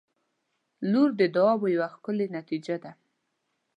• لور د دعاوو یوه ښکلي نتیجه ده.